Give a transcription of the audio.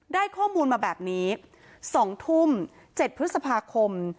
ได้ข้อมูลมาแบบนี้๒ทุ่ม๗พฤษภาคม